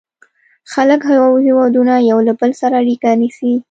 • خلک او هېوادونه یو له بل سره اړیکه نیسي.